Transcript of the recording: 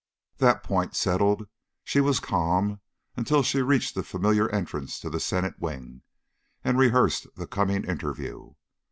That point settled, she was calm until she reached the familiar entrance to the Senate wing, and rehearsed the coming interview.